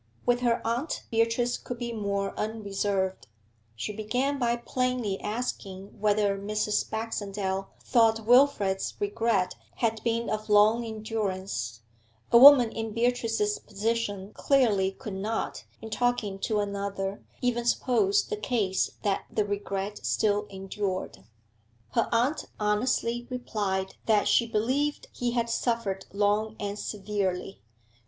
With her aunt Beatrice could be more unreserved; she began by plainly asking whether Mrs. Baxendale thought Wilfrid's regret had been of long endurance a woman in Beatrice's position clearly could not, in talking to another, even suppose the case that the regret still endured. Her aunt honestly replied that she believed he had suffered long and severely.